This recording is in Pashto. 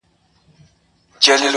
ژوند چي د عقل په ښکلا باندې راوښويدی_